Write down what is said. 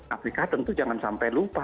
apikaten tuh jangan sampai lupa